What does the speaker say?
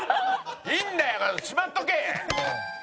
いいんだよしまっとけ！